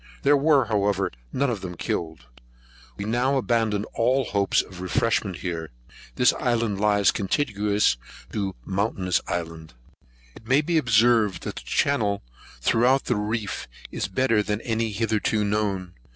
There were, however, none of them killed. We now abandoned all hopes of refreshment here. This island lies contiguous to Mountainous Island. It may be observed, that the channel throughout the reef is better than any hitherto known.